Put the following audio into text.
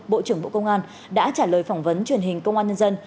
bộ trưởng bộ công an đã trả lời phỏng vấn truyền hình công an nhân dân